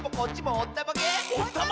おったまげ！